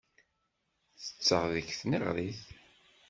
Ttetteɣ deg tneɣrit.